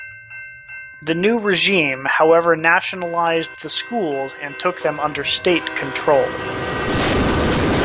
The new regime however nationalised the schools and took them under state control.